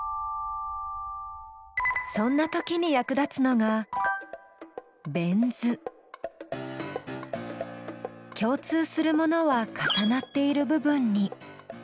そんなときに役立つのが共通するものは重なっている部分に。